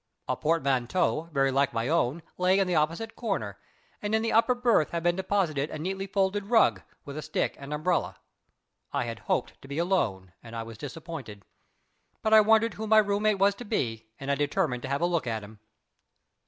A portmanteau, very like my own, lay in the opposite corner, and in the upper berth had been deposited a neatly folded rug, with a stick and umbrella. I had hoped to be alone, and I was disappointed; but I wondered who my room mate was to be, and I determined to have a look at him.